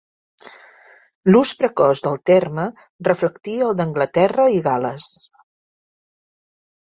L'ús precoç del terme reflectia el d'Anglaterra i Gal·les.